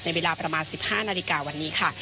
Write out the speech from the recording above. เวลาประมาณ๑๕นาฬิกาวันนี้ค่ะ